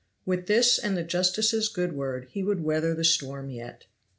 With this and the justices' good word he would weather the storm yet.